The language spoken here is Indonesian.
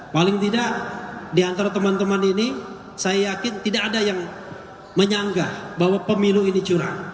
paling tidak di antara teman teman ini saya yakin tidak ada yang menyanggah bahwa pemilu ini curang